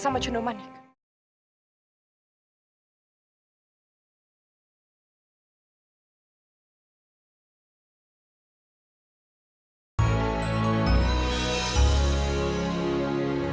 tidak ada yang bisa dikawal